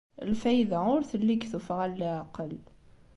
Lfayda ur telli deg tuffɣa n leɛqel.